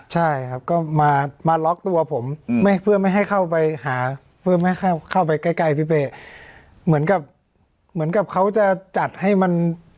ใช่ครับก็มามาล็อกตัวผมไม่เพื่อไม่ให้เข้าไปหาเพื่อไม่ให้เข้าไปใกล้ใกล้พี่เป้เหมือนกับเหมือนกับเขาจะจัดให้มัน